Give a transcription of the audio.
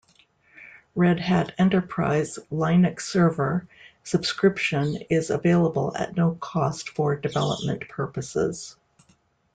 Red Hat Enterprise Linux Server subscription is available at no cost for development purposes.